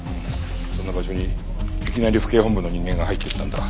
そんな場所にいきなり府警本部の人間が入っていったんだ。